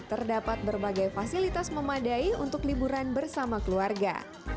terdapat berbagai fasilitas memadai untuk liburan bersama keluarga